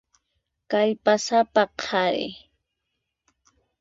Kallpasapa qhari.